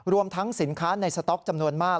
รวมทั้งสินค้าในสต๊อกจำนวนมาก